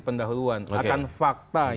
pendahuluan akan fakta